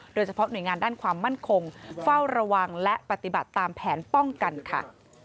โดยเฉพาะหน่วยงานด้านความมั่นคงเฝ้าระวังและปฏิบัติตามแผนป้องกันค่ะ